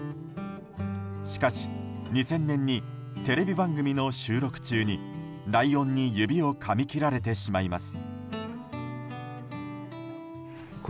しかし２０００年にテレビ番組の収録中にライオンに指をかみ切られてしまいます。